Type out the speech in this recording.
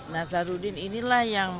nazarudin inilah yang